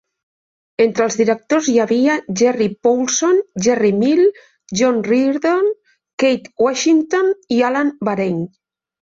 Entre els directors hi havia Gerry Poulson, Gerry Mill, John Reardon, Keith Washington i Alan Wareing.